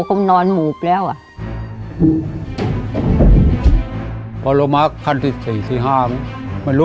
หลานก็ทำไม่ได้หลานก็ทำไม่ได้ต้องทำเลี้ยงคนเดียว